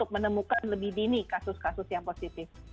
menemukan lebih dini kasus kasus yang positif